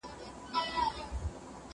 دېوالونه سوري كول كله كمال دئ